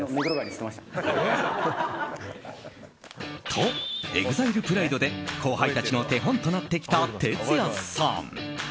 と、ＥＸＩＬＥプライドで後輩たちの手本となってきたＴＥＴＳＵＹＡさん。